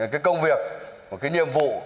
cái công việc cái nhiệm vụ